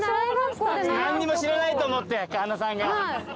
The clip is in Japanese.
何にも知らないと思って神田さんが。